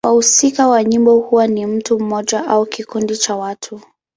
Wahusika wa nyimbo huwa ni mtu mmoja au kikundi cha watu.